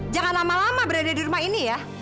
jangan lama lama berada di rumah ini ya